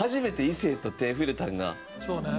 そうね。